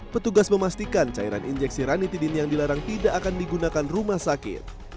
petugas memastikan cairan injeksi ranitidin yang dilarang tidak akan digunakan rumah sakit